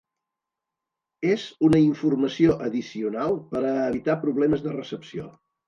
És una informació addicional per a evitar problemes de recepció.